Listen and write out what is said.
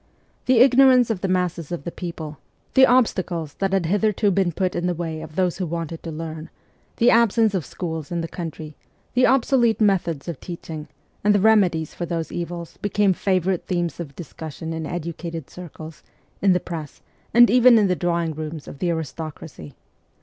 The ignorance of the masses of the people, the obstacles that had hitherto been put in the way of those who wanted to learn, the absence of schools in the country, the obsolete methods of teaching, and the remedies for these evils became favourite themes of discussion in educated circles', in the press, and even in the drawing rooms of the aristocracy.